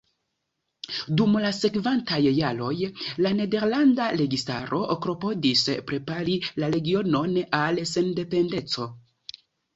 Dum la sekvantaj jaroj la nederlanda registaro klopodis prepari la regionon al sendependeco.